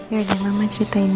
ya udah mama ceritain ya